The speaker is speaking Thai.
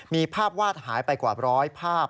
มีภาพวาดหายไปกว่าร้อยภาพ